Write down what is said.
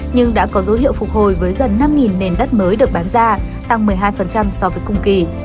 nhưng đã có dấu hiệu phục hồi với gần năm nền đất mới được bán ra tăng một mươi hai so với cùng kỳ